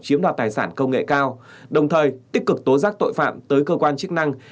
chiếm đoạt tài sản công nghệ cao đồng thời tích cực tố giác tội phạm tới cơ quan chức năng